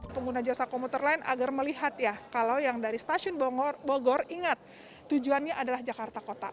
pengguna jasa komuter lain agar melihat ya kalau yang dari stasiun bogor ingat tujuannya adalah jakarta kota